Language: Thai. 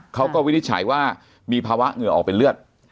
วินิจฉัยว่ามีภาวะเหงื่อออกเป็นเลือด